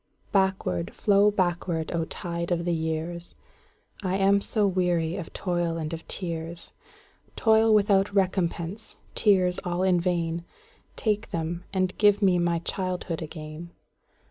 Backward, flow backward, O tide of the years!I am so weary of toil and of tears,—Toil without recompense, tears all in vain,—Take them, and give me my childhood again!